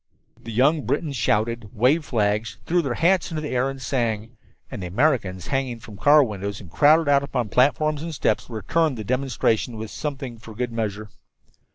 The young Britons shouted, waved flags, threw their hats into the air and sang. And the Americans, hanging from the car windows, and crowded out upon the platforms and steps, returned the demonstration with something for good measure.